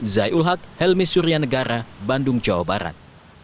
zai ulhak helmi surya negara bandung jawa barat